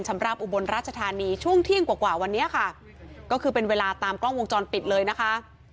สำหรับอุบลราชธานีช่วงเที่ยงกว่ากว่าวันนี้ค่ะก็คือเป็นเวลาตามกล้องวงจรปิดเลยนะคะ